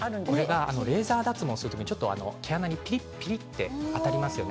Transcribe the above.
レーザー脱毛をする時に毛穴にピリってありますよね。